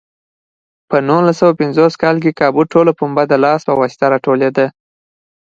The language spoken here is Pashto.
په نولس سوه پنځوس کال کې کابو ټوله پنبه د لاس په واسطه راټولېده.